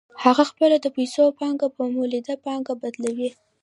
هغه خپله د پیسو پانګه په مولده پانګه بدلوي